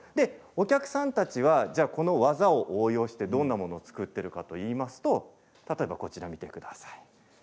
お客さんたちはこの技を応用して、どんなものを作っているかといいますと例えば、こちらを見てください。